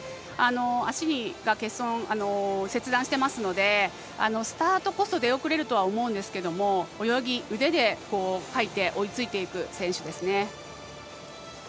足が切断していますのでスタートこそ出遅れるとは思うんですが泳ぎ、腕でかいて追いついていく選手ですね。